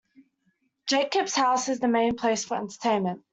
Jacobs house is the main place for entertainment.